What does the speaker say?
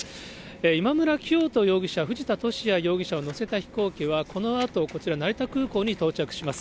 今村磨人容疑者、藤田聖也容疑者を乗せた飛行機は、このあとこちら、成田空港に到着します。